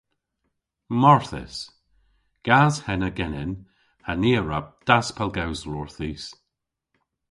Marthys. Gas henna genen ha ni a wra daspellgewsel orthis.